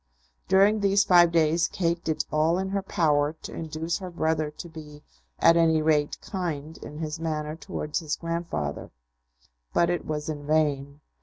During these five days Kate did all in her power to induce her brother to be, at any rate, kind in his manner towards his grandfather, but it was in vain.